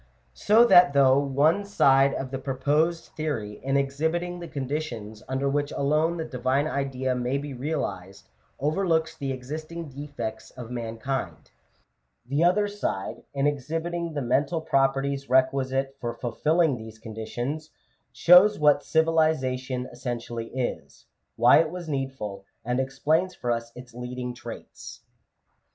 So that though one side of the proposed theory, in exhibiting the conditions under which alone the Divine Idea may be realized, overlooks the existing defects of mankind ; the other side, in exhibiting the mental properties requisite for fulfilling these conditions, shows what civilization essentially is ; why it was needful ; and explains for us its leading traits.